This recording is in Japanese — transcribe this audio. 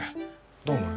どう思う？